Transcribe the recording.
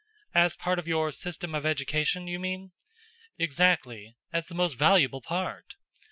"As part of your system of education, you mean?" "Exactly. As the most valuable part.